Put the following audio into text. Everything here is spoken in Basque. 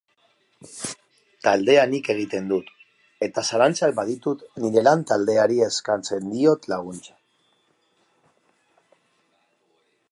Taldea nik egiten dut eta zalantzak baditut nire lan taldeari eskatzen diot laguntza.